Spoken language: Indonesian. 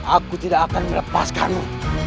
aku tidak akan melepaskanmu